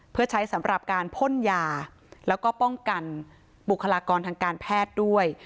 เพื่อใช้สำหรับการพ่นยาแล้วก็ป้องกันบุคลากรทางการแพทย์ด้วย